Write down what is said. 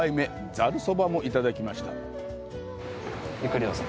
ざるそばもいただきました。